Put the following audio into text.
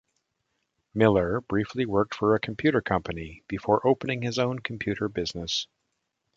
Miller briefly worked for a computer company before opening his own computer business.